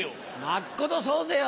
まっことそうぜよ。